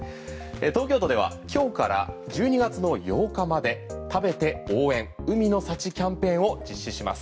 東京都では今日から１２月の８日まで食べて応援海の幸キャンペーンを実施します。